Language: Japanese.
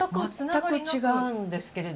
全く違うんですけれども。